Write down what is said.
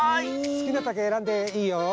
すきなたけえらんでいいよ。